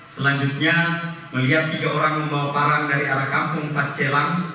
selanjutnya melihat tiga orang membawa parang dari arah kampung pancelan